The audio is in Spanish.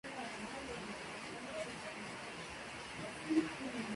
Mayo por Mike Miller, Brian Cardinal, Jason Collins y los derechos de Kevin Love.